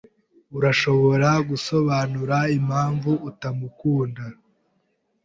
Urashobora gusobanura impamvu utamukunda?